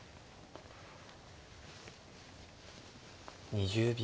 ２０秒。